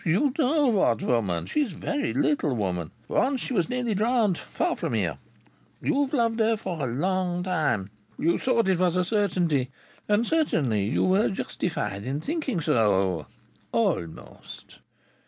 "You know what woman. She is a very little woman. Once she was nearly drowned far from here. You've loved her for a long time. You thought it was a certainty. And upon my soul you were justified in thinking so almost!